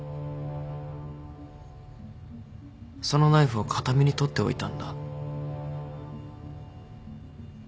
そのナイフを形見に取っておいたんだ。